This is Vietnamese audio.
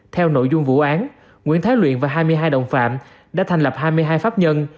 theo nội dung vụ án nguyễn thái luyện và hai mươi hai đồng phạm đã thành lập hai mươi hai pháp nhân